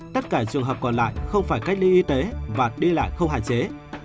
tất cả trường hợp còn lại không phải cách ly y tế và đi lại không hạn chế